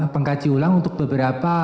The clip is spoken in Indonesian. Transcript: pengkaji ulang untuk beberapa